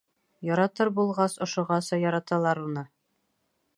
Яратыр булғас, ошоғаса яраталар уны!